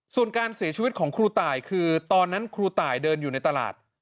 ส่วนการเสียชีวิตของครูตายคือตอนนั้นครูตายเดินอยู่ในตลาด